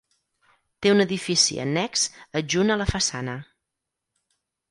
Té un edifici annex adjunt a la façana.